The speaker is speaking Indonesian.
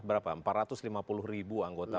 berapa empat ratus lima puluh ribu anggota